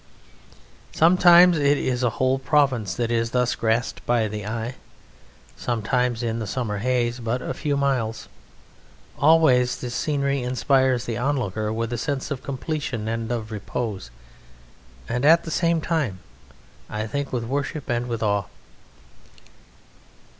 Sometimes it is a whole province that is thus grasped by the eye, sometimes in the summer haze but a few miles; always this scenery inspires the onlooker with a sense of completion and of repose, and at the same time, I think, with worship and with awe.